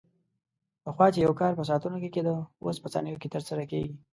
پخوا چې یو کار په ساعتونو کې کېده، اوس په ثانیو کې ترسره کېږي.